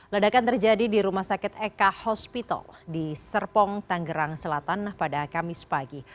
ledakan terjadi di rumah sakit eka hospital di serpong tanggerang selatan pada kamis pagi